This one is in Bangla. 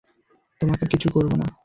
তোমাকে কিছু করবো না।